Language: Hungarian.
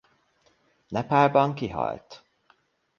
Nepálban kihalt.